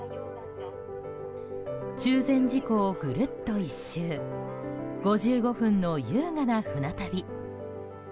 中禅寺湖をぐるっと１周５５分の優雅な船旅。